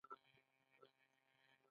ایا زه باید بسکټ وخورم؟